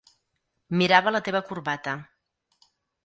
Mirava la teva corbata.